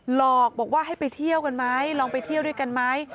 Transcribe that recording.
หลอกบอกว่าให้ไปเที่ยวกันไหมลองไปเที่ยวด้วยกันไหม